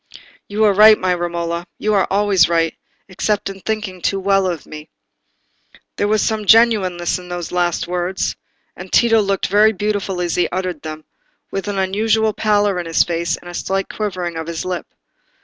"You are right, my Romola; you are always right, except in thinking too well of me." There was really some genuineness in those last words, and Tito looked very beautiful as he uttered them, with an unusual pallor in his face, and a slight quivering of his lip.